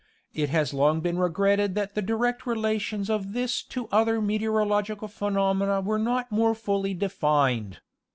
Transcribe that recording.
It has long been regretted that the direct relations of this to other meteorological phenomena were not more fully defined.